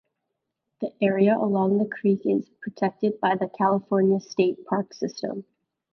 The area along the creek is protected by the California State Parks system.